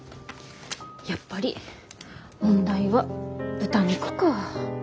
やっぱり問題は豚肉か。